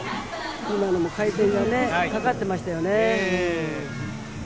今のも回転がかかっていましたよね。